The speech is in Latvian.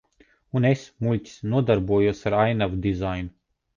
Un es, muļķis, nodarbojos ar ainavu dizainu.